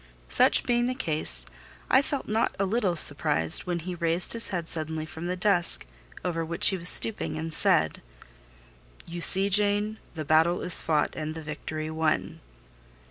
Such being the case, I felt not a little surprised when he raised his head suddenly from the desk over which he was stooping, and said— "You see, Jane, the battle is fought and the victory won."